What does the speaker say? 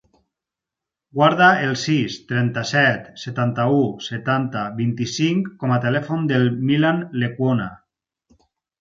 Guarda el sis, trenta-set, setanta-u, setanta, vint-i-cinc com a telèfon del Milan Lecuona.